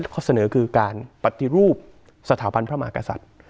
ข้อเสนอคือการปฏิรูปสถาบันพระมหากษัตริย์